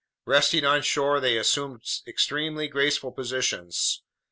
Resting on shore, they assumed extremely graceful positions.